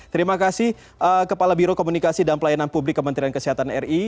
terima kasih kepala biro komunikasi dan pelayanan publik kementerian kesehatan ri